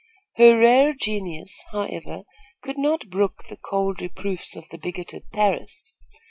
Her rare genius, however, could not brook the cold reproofs of the bigoted Parris.